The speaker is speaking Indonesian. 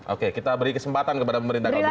oke kita beri kesempatan kepada pemerintah kalau begitu